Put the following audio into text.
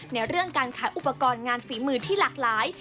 ในเรื่องการขายอุปกรณ์งานฝีมือที่หลากหลาย